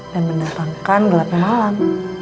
dan mendatangkan gelapnya malam